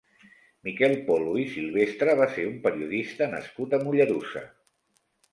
Miquel Polo i Silvestre va ser un periodista nascut a Mollerussa.